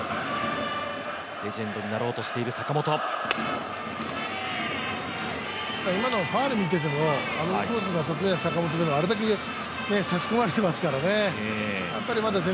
レジェンドになろうとしている坂本今のファウル見ていても、インコースで坂本があれだけ差し込まれてますからね。